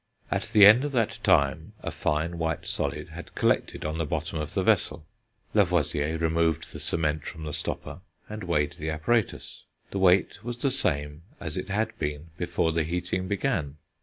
At the end of that time a fine white solid had collected on the bottom of the vessel. Lavoisier removed the cement from the stopper, and weighed the apparatus; the weight was the same as it had been before the heating began.